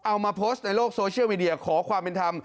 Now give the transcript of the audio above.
เอามาโพสต์ในโลกโซเชียลมีเดียขอความเป็นธรรม